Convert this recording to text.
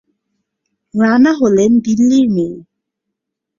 রানা হলেন দিল্লির মেয়ে।